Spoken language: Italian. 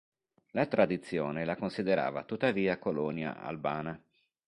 La tradizione la considerava tuttavia colonia albana.